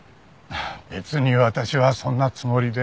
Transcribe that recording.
別に私はそんなつもりでは。